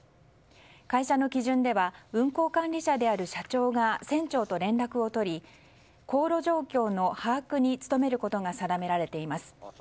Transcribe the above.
会社の基準では運航管理者である社長が船長と連絡を取り航路状況の把握に努めることが定められています。